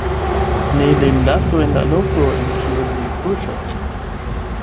Ne lin lasu en la loko, en kiu li kuŝas.